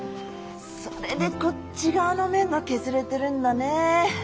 それでこっち側の面が削れてるんだね。